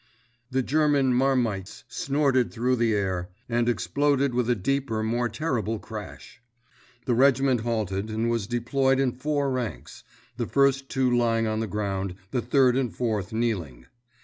The German "marmites" snorted through the air, and exploded with a deeper, more terrible crash. The regiment halted, and was deployed in four ranks—the first two lying on the ground, the third and fourth kneeling.